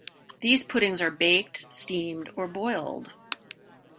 These puddings are baked, steamed or boiled.